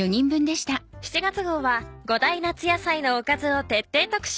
７月号は５大夏野菜のおかずを徹底特集。